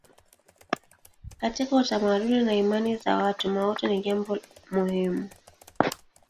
Katika utamaduni na imani za watu mauti ni jambo muhimu.